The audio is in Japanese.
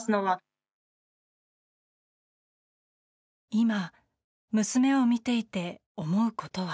今、娘を見ていて思うことは。